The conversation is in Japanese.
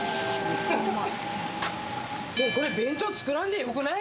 これ、弁当作らんでよくない？